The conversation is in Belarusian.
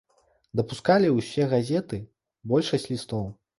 Дапускалі ўсе газеты, большасць лістоў.